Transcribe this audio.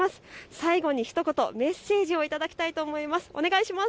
最後にひと言、メッセージを頂きたいと思います。